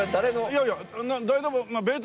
いやいや誰でも。